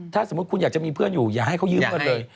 ถ้าสมมุติคุณอยากจะมีเพื่อนอยู่อย่าให้เขายืมเงินเลย